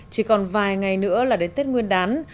chỉ còn vài ngày nữa là đến tết nguyên đán